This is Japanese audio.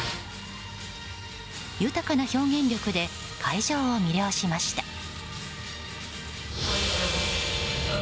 豊かな表現力で会場を魅了しました。